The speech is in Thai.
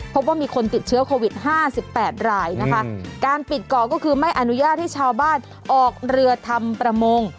พบว่ามีคนติดเชื้อโควิดห้าสิบแปดรายนะคะการปิดเกาะก็คือไม่อนุญาตให้ชาวบ้านออกเรือทำประมง